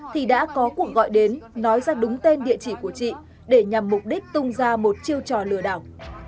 thì đã có cuộc gọi đến nói ra đúng tên địa chỉ của chị để nhằm mục đích tung ra một chiêu trò lừa đảo